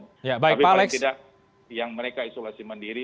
tapi paling tidak yang mereka isolasi mandiri